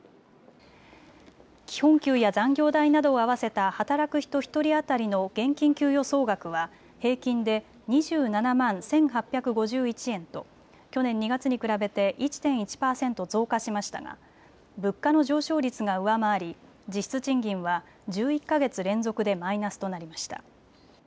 基本給や残業代などを合わせた働く人１人当たりの現金給与総額は平均で２７万１８５１円と去年２月に比べて１．１％増加しましたが物価の上昇率が上回り実質賃金は１１か月連続でマイナスとなりました。